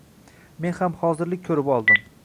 Men ham hozirlik koʻrib oldim.